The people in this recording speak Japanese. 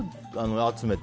集めて。